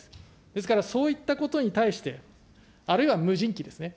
ですから、そういったことに対して、あるいは無人機ですね。